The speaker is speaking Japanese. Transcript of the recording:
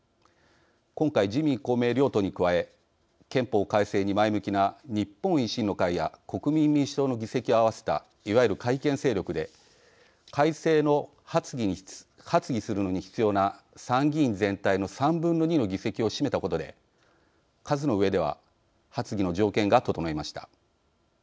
今回、自民・公明両党に加え憲法改正に前向きな日本維新の会や国民民主党の議席を合わせたいわゆる改憲勢力で改正の発議するのに必要な参議院全体の３分の２の議席を占めたことで数の上では発議の条件が整いました。